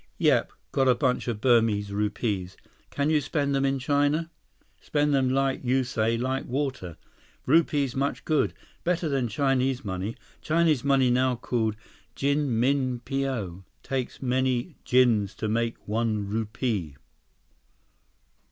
"Yep. Got a bunch of Burmese rupees. Can you spend them in China?" "Spend them like you say like water. Rupees much good. Better than Chinese money. Chinese money now called jin min piao. Takes many jins to make one rupee."